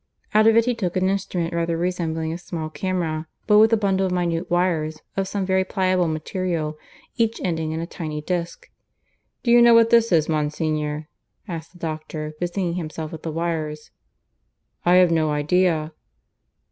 Out of it he took an instrument rather resembling a small camera, but with a bundle of minute wires of some very pliable material, each ending in a tiny disc. "Do you know what this is, Monsignor?" asked the doctor, busying himself with the wires. "I have no idea."